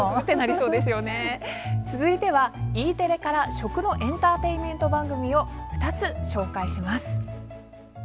続いては、Ｅテレから食のエンターテインメント番組を２つご紹介します。